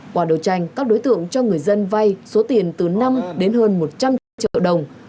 qua đấu tranh các đối tượng cho người dân vay số tiền từ năm đến hơn một trăm linh triệu đồng